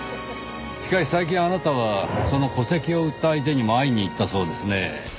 しかし最近あなたはその戸籍を売った相手にも会いに行ったそうですねぇ。